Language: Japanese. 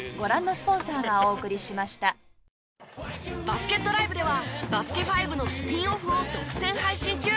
バスケットＬＩＶＥでは『バスケ☆ＦＩＶＥ』のスピンオフを独占配信中！